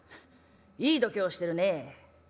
いい度胸してるねえ。